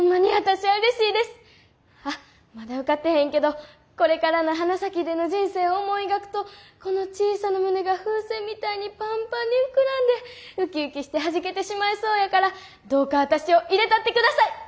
あっまだ受かってへんけどこれからの花咲での人生を思い描くとこの小さな胸が風船みたいにパンパンに膨らんでウキウキしてはじけてしまいそうやからどうか私を入れたってください。